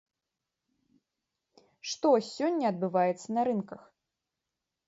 Што сёння адбываецца на рынках?